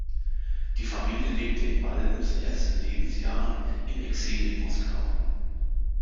Die Familie lebte in Waldens ersten Lebensjahren im Exil in Moskau.